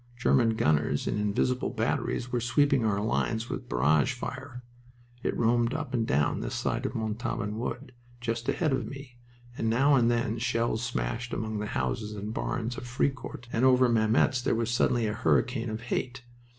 German gunners in invisible batteries were sweeping our lines with barrage fire, it roamed up and down this side of Montauban Wood, just ahead of me, and now and then shells smashed among the houses and barns of Fricourt, and over Mametz there was suddenly a hurricane of "hate."